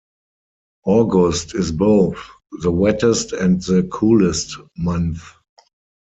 August is both the wettest and the coolest month.